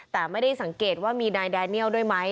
แต่ไม่ได้สังเกตว่ามีนายแดเนียลด้วยไหม